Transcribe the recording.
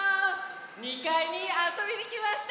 ２かいにあそびにきました！